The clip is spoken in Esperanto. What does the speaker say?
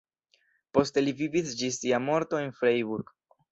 Poste li vivis ĝis sia morto en Freiburg.